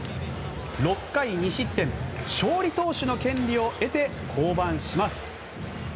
６回２失点勝利投手の権利を得て降板します。